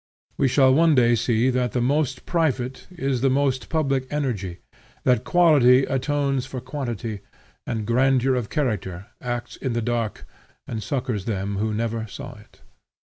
We shall one day see that the most private is the most public energy, that quality atones for quantity, and grandeur of character acts in the dark, and succors them who never saw it.